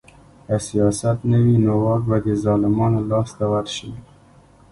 که سیاست نه وي نو واک به د ظالمانو لاس ته ورشي